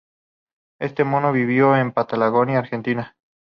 Este mono vivió en la Patagonia argentina.